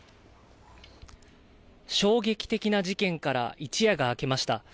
衝撃的な事件から一夜が明けました。